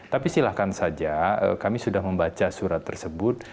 tapi silahkan saja kami sudah membaca surat tersebut